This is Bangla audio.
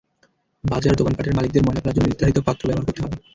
বাজার, দোকানপাটের মালিকদের ময়লা ফেলার জন্য নির্ধারিত পাত্র ব্যবহার করতে হবে।